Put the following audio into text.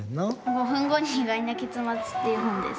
「５分後に意外な結末」っていう本です。